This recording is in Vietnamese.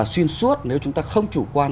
xuyên suốt nếu chúng ta không chủ quan